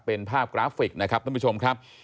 เป็นภาพกราฟิกนะครับท่านผู้ชมครับ